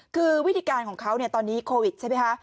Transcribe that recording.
คือวิธีการของเขาตอนนี้โควิดใช่ไหมคะ